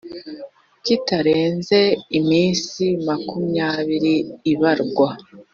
kitarenze iminsi makumyabiri ibarwa